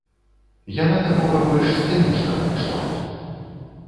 Яна такога больш сцэнічнага кшталту.